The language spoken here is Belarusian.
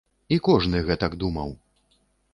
І кожны гэтак думаў.